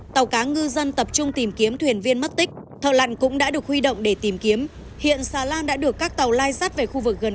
tàu cá ngư dân tập trung tìm kiếm thuyền viên mất tích thợ lặn cũng đã được huy động để tìm kiếm hiện xà lan đã được các tàu lai sát về khu vực gần cảng